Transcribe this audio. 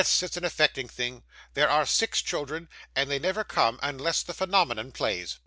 It's an affecting thing. There are six children, and they never come unless the phenomenon plays.